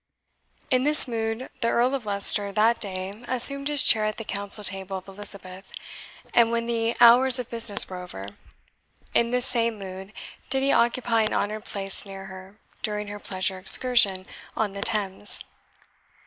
In this mood the Earl of Leicester that day assumed his chair at the council table of Elizabeth; and when the hours of business were over, in this same mood did he occupy an honoured place near her during her pleasure excursion on the Thames.